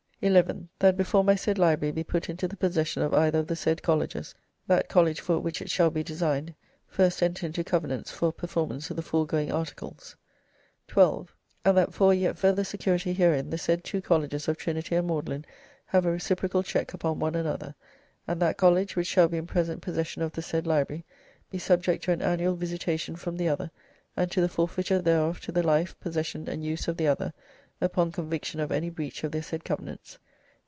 "11. That before my said library be put into the possession of either of the said colleges, that college for which it shall be designed, first enter into covenants for performance of the foregoing articles. "12. And that for a yet further security herein, the said two colleges of Trinity and Magdalen have a reciprocal check upon one another; and that college which shall be in present possession of the said library, be subject to an annual visitation from the other, and to the forfeiture thereof to the life, possession, and use of the other, upon conviction of any breach of their said covenants.